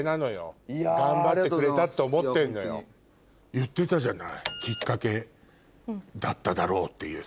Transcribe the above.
言ってたじゃないきっかけだっただろうっていう。